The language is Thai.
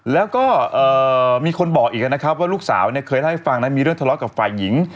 แล้วก็มีคนบอกอีกว่าลูกสาวเคยได้ฟังมีเรื่องทะเลาะกับฝ่ายหญิง